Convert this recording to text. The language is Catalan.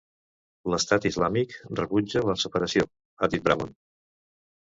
L'Estat islàmic rebutja la separació, ha dit Bramon.